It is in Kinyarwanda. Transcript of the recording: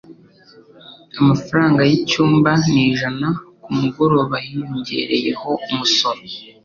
Amafaranga yicyumba ni ijana kumugoroba hiyongereyeho umusoro